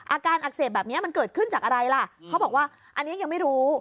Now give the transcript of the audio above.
อาการอักเสบแบบนี้มันเกิดขึ้นจากอะไรล่ะเขาบอกว่าอันนี้ยังไม่รู้